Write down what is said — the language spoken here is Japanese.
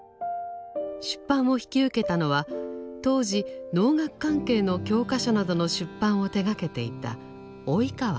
出版を引き受けたのは当時農学関係の教科書などの出版を手がけていた及川四郎でした。